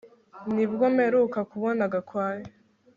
Nibwo mperuka kubona Gakwaya